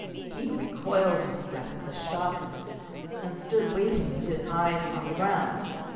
He recoiled a step at the shock of it, and stood waiting with his eyes on the ground.